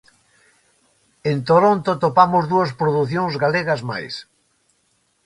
En Toronto atopamos dúas producións galegas máis.